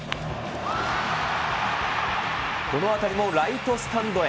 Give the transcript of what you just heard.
この当たりもライトスタンドへ。